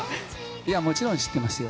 いやもちろん知ってますよ。